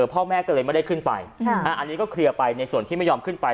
พ่อแม่ก็เลยไม่ได้ขึ้นไปอันนี้ก็เคลียร์ไปในส่วนที่ไม่ยอมขึ้นไป